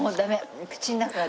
口の中が。